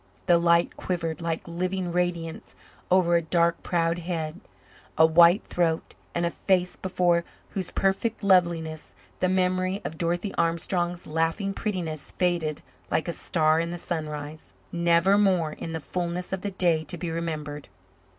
The light quivered like living radiance over a dark proud head, a white throat, and a face before whose perfect loveliness the memory of Dorothy Armstrong's laughing prettiness faded like a star in the sunrise, nevermore in the fullness of the day to be remembered.